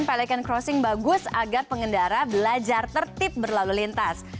pelikan crossing bagus agar pengendara belajar tertib berlalu lintas